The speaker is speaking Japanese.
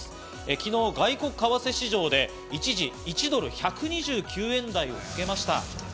昨日、外国為替市場で一時１ドル＝１２９円台をつけました。